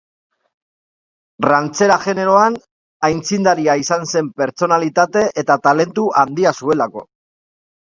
Rantxera generoan aitzindaria izan zen pertsonalitate eta talentu handia zuelako.